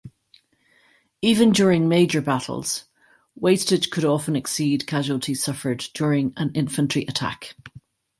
Even during major battles, wastage could often exceed casualties suffered during an infantry attack.